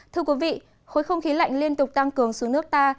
thưa quý vị khối không khí lạnh liên tục tăng cường xuống nước ta